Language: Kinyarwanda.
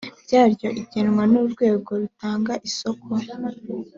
ryaryo igenwa n urwego rutanga isoko